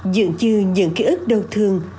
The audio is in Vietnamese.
dường chư những ký ức đau thương